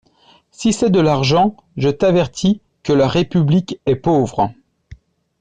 Si c'est de l'argent, je t'avertis que la République est pauvre.